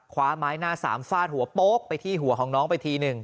คว้าไม้หน้าสามฟาดหัวโป๊กไปที่หัวของน้องไปทีหนึ่ง